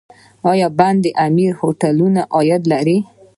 آیا د بند امیر هوټلونه عاید لري؟